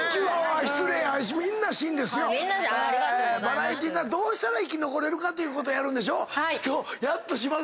バラエティーどうしたら生き残れるかっていうことをやるんでしょ。